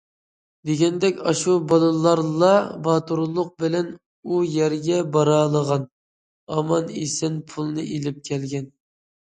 دېگەندەك، ئاشۇ بالىلارلا باتۇرلۇق بىلەن ئۇ يەرگە بارالىغان، ئامان- ئېسەن پۇلىنى ئېلىپ كەلگەن.